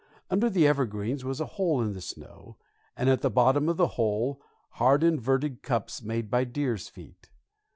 Under the evergreens was a hole in the snow, and at the bottom of the hole hard inverted cups made by deer's feet.